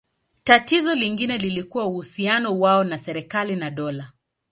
Tatizo lingine lilikuwa uhusiano wao na serikali na dola.